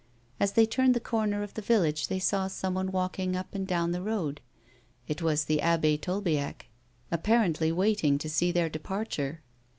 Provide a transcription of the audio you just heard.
As they turned the corner of the village, they saw someone walking up and down the road ; it was the Abbe Tolbiac, apparently waiting to see their departure.